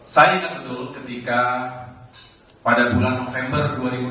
saya kebetulan ketika pada bulan november dua ribu dua puluh tiga